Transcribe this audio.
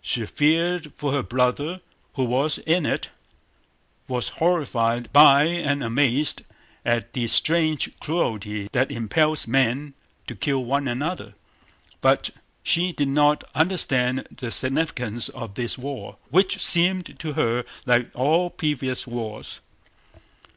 She feared for her brother who was in it, was horrified by and amazed at the strange cruelty that impels men to kill one another, but she did not understand the significance of this war, which seemed to her like all previous wars.